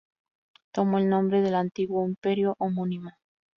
Tomó el nombre del antiguo imperio homónimo.